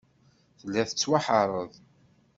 Telliḍ tettwaḥeṛṛeḍ.